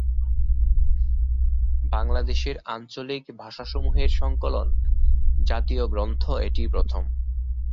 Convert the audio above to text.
বাংলাদেশের আঞ্চলিক ভাষাসমূহের সংকলন-জাতীয় গ্রন্থ এটিই প্রথম।